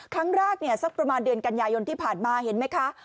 ครั้งแรกเนี่ยสักประมาณเดือนกันยายนที่ผ่านมาเห็นไหมคะ